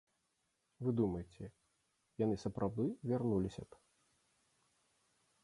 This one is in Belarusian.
Вы думаеце, яны сапраўды вярнуліся б?